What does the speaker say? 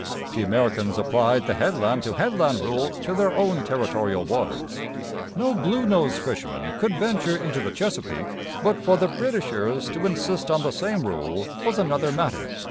The Americans applied the headland to headland rule to their own territorial waters; no 'Bluenose' fisherman could venture into the Chesapeake; but for the 'Britishers' to insist on the same rule was another matter.